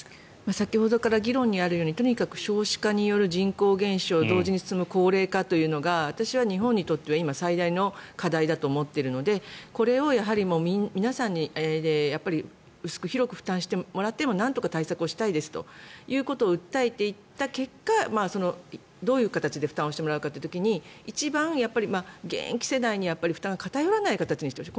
先ほどから議論にあるように少子化による人口減少同時に、高齢化というのが私は日本にとっては今、最大の課題だと思っているのでこれを皆さんで薄く広く負担してもらってなんとか対策したいですということを訴えていった結果どういう形で負担してもらうかという時に現役世代に負担が偏らない形にしてほしい。